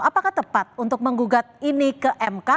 apakah tepat untuk menggugat ini ke mk